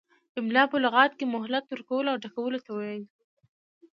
املاء په لغت کې مهلت ورکولو او ډکولو ته وايي.